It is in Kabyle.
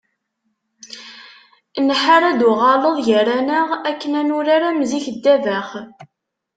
Nḥar ad d-tuɣaleḍ gar-aneɣ akken ad nurar am zik ddabex.